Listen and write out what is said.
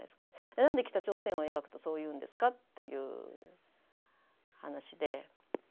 なんで北朝鮮を描くとそう言うんですかっていう話で。